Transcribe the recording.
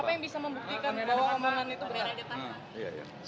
apa yang bisa membuktikan bahwa omongannya itu benar